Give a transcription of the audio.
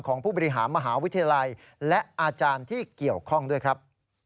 ของผู้บริหารมหาวิทยาลัยและอาจารย์ที่เกี่ยวข้องด้วยครับ